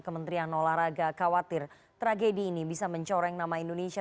kementerian olahraga khawatir tragedi ini bisa mencoreng nama indonesia